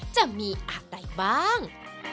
จะมีอะไรบ้าง